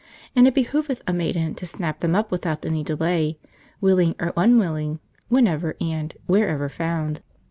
And it behoveth a maiden to snap them up without any delay. willing or unwilling. whenever and. wherever found."